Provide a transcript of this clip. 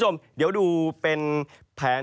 ทั้งเรื่องของฝน